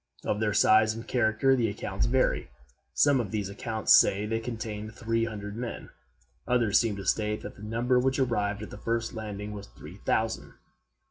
Of their size and character the accounts vary. Some of these accounts say they contained three hundred men; others seem to state that the number which arrived at the first landing was three thousand.